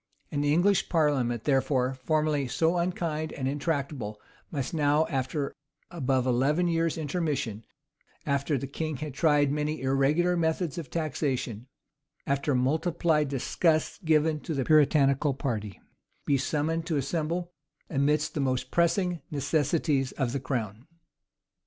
An English parliament, therefore, formerly so unkind and intractable, must now, after above eleven years' intermission, after the king had tried many irregular methods of taxation, after multiplied disgusts given to the Puritanical party, be summoned to assemble, amidst the must pressing necessities of the crown.